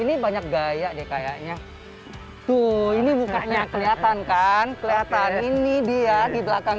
ini banyak gaya deh kayaknya tuh ini bukannya kelihatan kan kelihatan ini dia di belakang